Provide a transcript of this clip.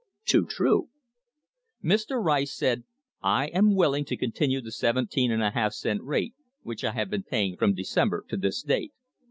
(Too true.) Mr. Rice said :' I am willing to continue the 17^ cent rate which I have been paying from December to this date.'